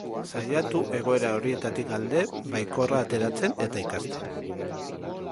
Saiatu egoera horietatik alde baikorra ateratzen, eta ikasten.